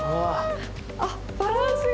あっバランスが。